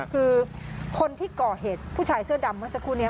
คือคนที่ก่อเหตุผู้ชายเสื้อดำเมื่อสักครู่นี้